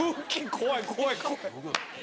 怖い怖い怖い。